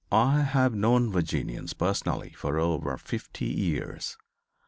I have known Virginians, personally, for over fifty years.